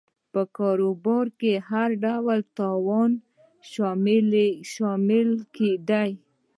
په کاروبار کې هر ډول تاوان به وېشل کېده